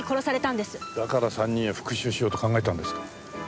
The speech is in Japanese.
だから３人へ復讐しようと考えたんですか？